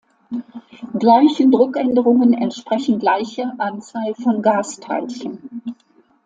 Gleichen Druckänderungen entsprechen gleiche Anzahl von Gasteilchen.